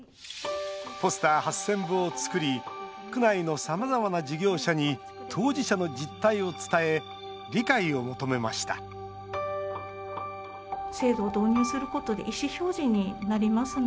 ポスター８０００部を作り区内のさまざまな事業者に当事者の実態を伝え理解を求めました認定第１号に選ばれたさと子さんたち。